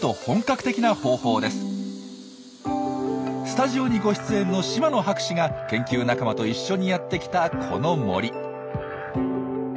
スタジオにご出演の島野博士が研究仲間と一緒にやってきたこの森。